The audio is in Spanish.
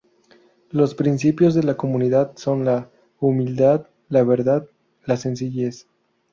Los principios de la comunidad son la humildad, la verdad, la sencillez.